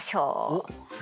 おっ。